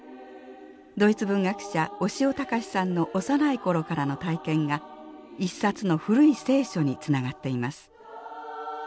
ドイツ文学者小塩節さんの幼い頃からの体験が一冊の古い聖書につながっています。